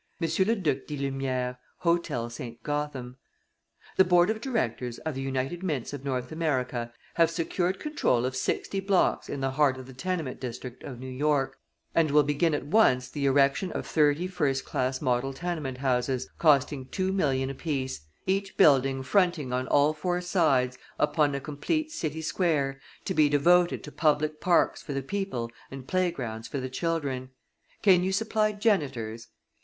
LE DUC DI LUMIÈRE, Hotel St. Gotham: The Board of Directors of the United Mints of North America have secured control of sixty blocks in the heart of the tenement district of New York and will begin at once the erection of thirty first class model tenement houses, costing two million apiece, each building fronting on all four sides upon a complete city square to be devoted to public parks for the people and playgrounds for the children. Can you supply janitors?